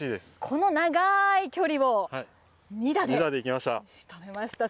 この長い距離を２打でしとめました。